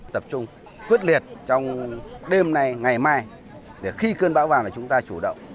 tập trung quyết liệt trong đêm nay ngày mai để khi cơn bão vào là chúng ta chủ động